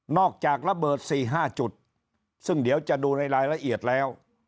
จากระเบิด๔๕จุดซึ่งเดี๋ยวจะดูในรายละเอียดแล้ว